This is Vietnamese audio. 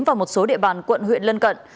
và một số địa bàn quận huyện lân cận